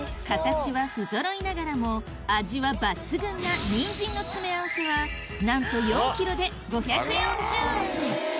形はふぞろいながらも味は抜群なにんじんの詰め合わせはなんと４ｋｇで５４０円